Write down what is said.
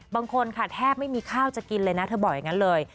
บางคนค่ะแทบไม่มีข้าวจะกินเลยนะเธอบอกอย่างนั้นเลย